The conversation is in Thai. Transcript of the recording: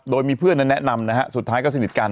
โดยมีเพื่อนแนะนำนะฮะสุดท้ายก็สนิทกัน